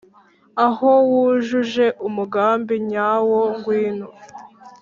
aho wujuje umugambi, nyawo ngwino